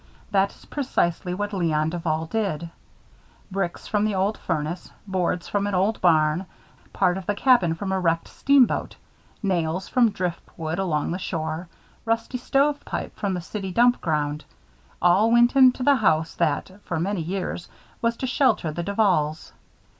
That is precisely what Léon Duval did. Bricks from the old furnace, boards from an old barn, part of the cabin from a wrecked steamboat, nails from driftwood along the shore, rusty stove pipe from the city dump ground; all went into the house that, for many years, was to shelter the Duvals.